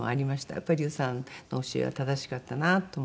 やっぱり竜さんの教えは正しかったなと思って。